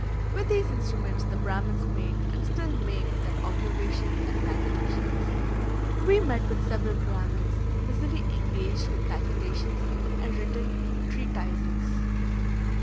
With these instruments, the Brahmins made, and still make, their observations and calculations. We met with several Brahmins busily engaged with calculations and written treatises.